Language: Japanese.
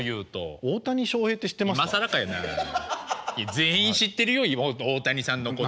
全員知ってるよ大谷さんのこと。